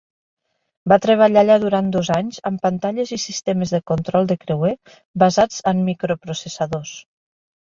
Va treballar allà durant dos anys en pantalles i sistemes de control de creuer basats en microprocessadors.